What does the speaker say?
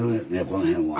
この辺は。